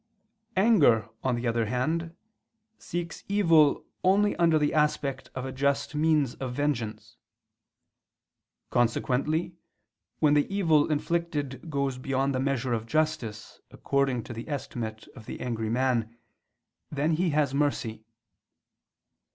Anger, on the other hand, seeks evil only under the aspect of a just means of vengeance. Consequently when the evil inflicted goes beyond the measure of justice according to the estimate of the angry man, then he has mercy.